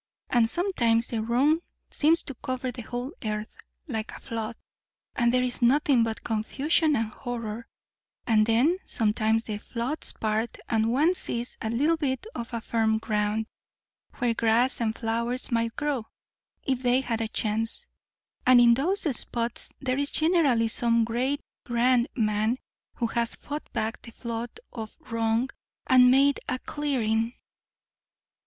And sometimes the wrong seems to cover the whole earth, like a flood, and there is nothing but confusion and horror; and then sometimes the floods part and one sees a little bit of firm ground, where grass and flowers might grow, if they had a chance. And in those spots there is generally some great, grand man, who has fought back the flood of wrong and made a clearing."